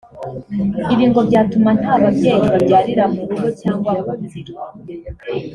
ibi ngo byatuma nta babyeyi babyarira mu rugo cyangwa mu nzira